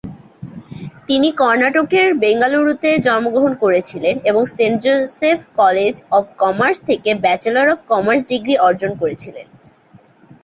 তিনি কর্ণাটকের বেঙ্গালুরুতে জন্মগ্রহণ করেছিলেন এবং Saint Joseph college of commerce থেকে ব্যাচেলর অব কমার্স ডিগ্রি অর্জন করেছিলেন।